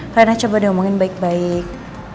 karena coba diomongin baik baik